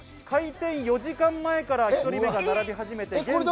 開店４時間前から１人目が並び始めています。